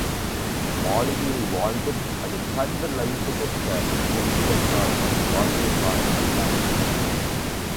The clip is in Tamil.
மாளிகையில் வாழ்ந்தும் அதைக் கண்டுலயித்து நிற்க கொடுத்து வைக்காதவன் பாக்கியசாலி அல்லன்.